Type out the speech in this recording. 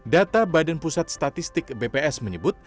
data badan pusat statistik bps menyebut